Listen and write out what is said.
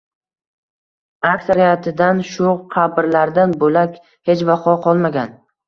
Aksariyatidan shu qabrlardan bo‘lak hech vaqo qolmagan.